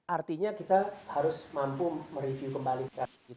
artinya kita harus mampu mereview kembalikan